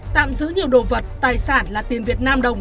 tạm giữ nhiều đồ vật tài sản là tiền việt nam đồng